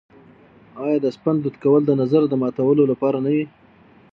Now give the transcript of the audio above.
آیا د سپند دود کول د نظر ماتولو لپاره نه وي؟